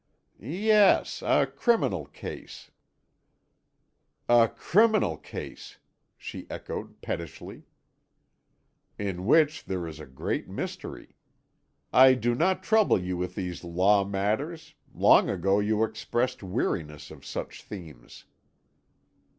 "Yes; a criminal case " "A criminal case!" she echoed pettishly. "In which there is a great mystery. I do not trouble you with these law matters; long ago you expressed weariness of such themes."